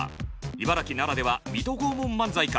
茨城ならでは水戸黄門漫才か。